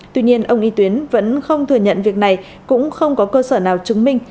tuy nhiên ông y tuyến vẫn không thừa nhận việc này cũng không có cơ sở nào chứng minh